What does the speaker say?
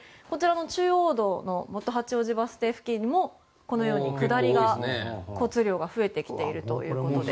中央道の元八王子バス停付近でもこのように下りが交通量が増えてきているということです。